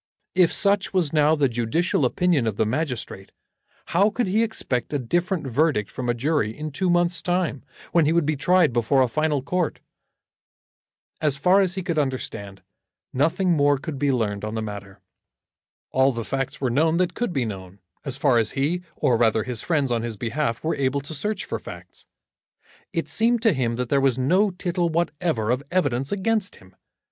If such was now the judicial opinion of the magistrate, how could he expect a different verdict from a jury in two months' time, when he would be tried before a final court? As far as he could understand, nothing more could be learned on the matter. All the facts were known that could be known, as far as he, or rather his friends on his behalf, were able to search for facts. It seemed to him that there was no tittle whatever of evidence against him.